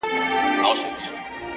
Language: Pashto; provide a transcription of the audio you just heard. • ادبي غونډه کي نيوکي وسوې,